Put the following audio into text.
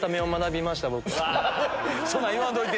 そんな言わんといて！